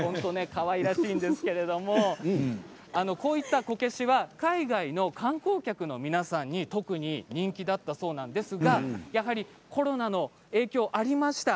かわいらしいんですけれどこういったこけしは海外の観光客の皆さんに特に人気だったそうなんですがやはりコロナの影響がありました。